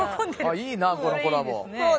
あいいなあこのコラボ。